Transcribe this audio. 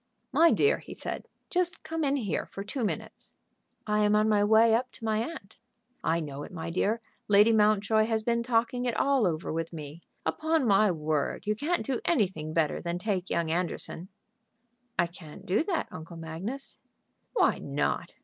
"My dear," he said, "just come in here for two minutes." "I am on my way up to my aunt." "I know it, my dear. Lady Mountjoy has been talking it all over with me. Upon my word you can't do anything better than take young Anderson." "I can't do that, Uncle Magnus." "Why not?